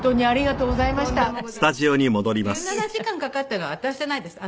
１７時間かかったのは私じゃないです。